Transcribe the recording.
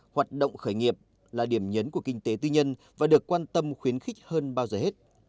hoạt động khởi nghiệp là điểm nhấn của kinh tế tư nhân và được quan tâm khuyến khích hơn bao giờ hết